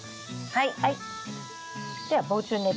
はい。